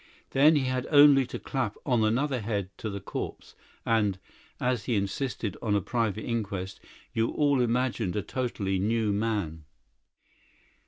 Then he had only to clap on another head to the corpse, and (as he insisted on a private inquest) you all imagined a totally new man."